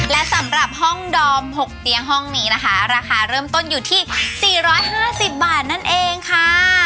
และสำหรับห้องดอม๖เตียงห้องนี้นะคะราคาเริ่มต้นอยู่ที่๔๕๐บาทนั่นเองค่ะ